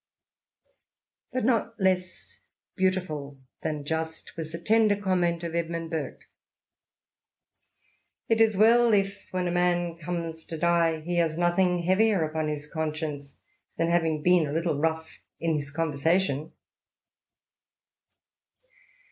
But not less beautiful than just was the tender comment of Edmund Burke —" It is well if, when a man comes to die^ he has nothing heavier upon his conscience than having been a little rough in his conversation."